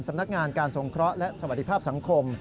สำนักงานการสงเคราะห์และสวัสดีภาพสังคม